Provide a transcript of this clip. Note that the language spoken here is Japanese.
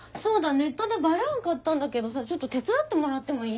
ネットでバルーン買ったんだけどさちょっと手伝ってもらってもいい？